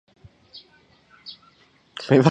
剧情时序于霸王枪之前。